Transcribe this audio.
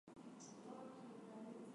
I here might give a screed of names.